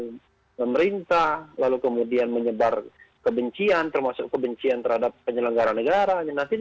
kemudian pemerintah lalu kemudian menyebar kebencian termasuk kebencian terhadap penyelenggara negara